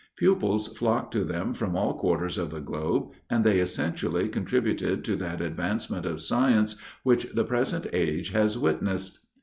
Pupils flocked to them from all quarters of the globe, and they essentially contributed to that advancement of science which the present age has witnessed.